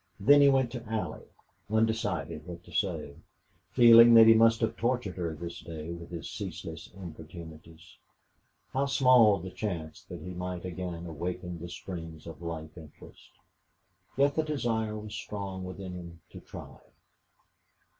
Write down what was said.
Then he went to Allie, undecided what to say, feeling that he must have tortured her this day with his ceaseless importunities. How small the chance that he might again awaken the springs of life interest. Yet the desire was strong within him to try.